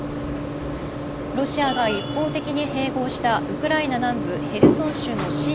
ロシアが一方的に併合したウクライナ南部ヘルソン州の親